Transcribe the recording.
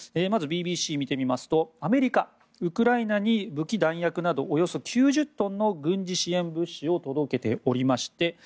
まずＢＢＣを見てみますとアメリカウクライナに武器、弾薬などおよそ９０トンの軍事支援物資を届けておりまして